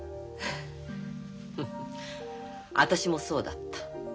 フフ私もそうだった。